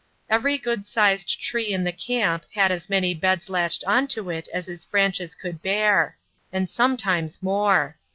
Every good sized tree in the camp had as many beds lashed on to it as its branches would bear and sometimes more.